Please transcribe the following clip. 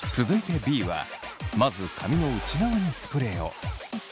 続いてＢはまず髪の内側にスプレーを。